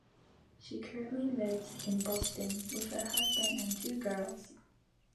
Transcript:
She currently lives in Boston with her husband and two girls.